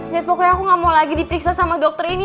⁇ its pokoknya aku gak mau lagi diperiksa sama dokter ini